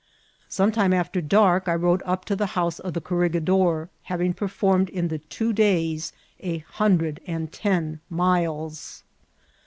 Borne time after dark I rode up to the house of the cor« Tegidor^ katving performed in the two days a hundred and ten miles.